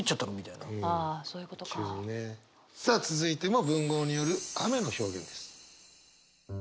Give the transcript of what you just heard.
さあ続いても文豪による雨の表現です。